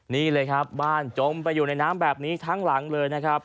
นี่เลยครับบ้านจมไปอยู่ในน้ำแบบนี้ทั้งหลังเลยนะครับ